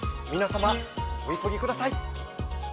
皆様お急ぎください。